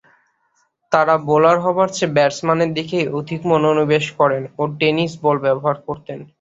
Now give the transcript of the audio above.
তারা বোলার হবার চেয়ে ব্যাটসম্যানের দিকেই অধিক মনোনিবেশ করেন ও টেনিস বল ব্যবহার করতেন।